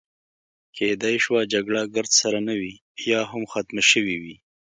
کیدای شوه جګړه ګرد سره نه وي، یا هم ختمه شوې وي.